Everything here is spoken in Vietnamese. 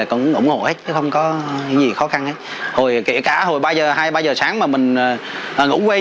cũng ủng hộ hết chứ không có gì khó khăn hết rồi kể cả hồi ba giờ hai ba giờ sáng mà mình ngủ quê